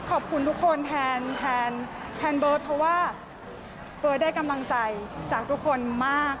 ขอบคุณทุกคนแทนเบิร์ตเพราะว่าเบิร์ตได้กำลังใจจากทุกคนมาก